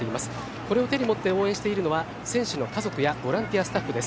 これを手に持って応援しているのは選手の家族やボランティアスタッフです。